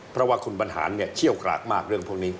เพราะว่าคุณบรรหารเชี่ยวกรากมากเรื่องพวกนี้